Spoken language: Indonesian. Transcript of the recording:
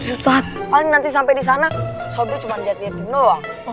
ustadz kalian nanti sampai di sana sob dia cuma liatin doang